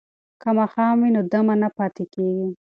که ماښام وي نو دم نه پاتې کیږي.